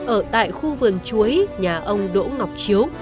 ở tại khu vườn chuối nhà ông đỗ ngọc chiếu